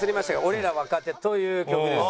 俺ら若手。という曲です。